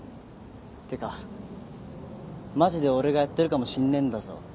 ってかマジで俺がやってるかもしんねえんだぞ。